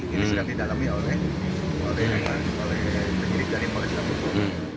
ini sedang didalami oleh polresta bogor